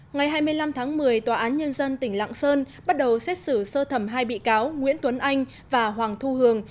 ngày hai mươi năm tháng một mươi tòa án nhân dân tỉnh lạng sơn bắt đầu xét xử sơ thẩm hai bị cáo nguyễn tuấn anh và hoàng thu hường